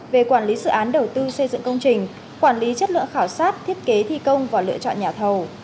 về quản lý dự án đầu tư xây dựng công trình quản lý chất lượng khảo sát thiết kế thi công và lựa chọn nhà thầu